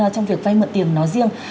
trong việc vay mượn tiền nó riêng